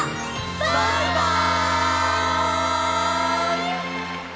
バイバイ！